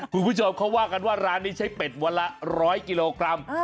คุณผู้ชมเขาว่ากันว่าร้านนี้ใช้เป็ดวันละ๑๐๐กิโลกรัม